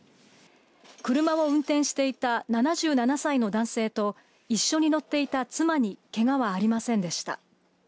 車を運転していた７７歳の男性と、一緒に乗っていた妻にけがはありませんでした。